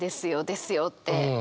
「ですよ」って。